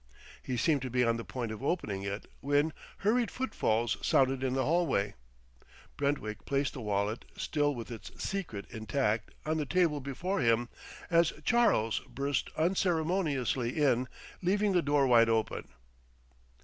He seemed to be on the point of opening it when hurried footfalls sounded in the hallway. Brentwick placed the wallet, still with its secret intact, on the table before him, as Charles burst unceremoniously in, leaving the door wide open.